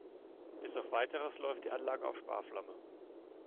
Bis auf Weiteres läuft die Anlage auf Sparflamme.